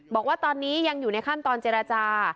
บอกว่าตอนนี้ยังอยู่ในขั้นตอนเจรจา